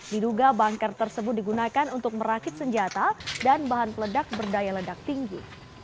diduga bunker tersebut digunakan untuk merakit senjata dan bahan peledak berdaya ledak tinggi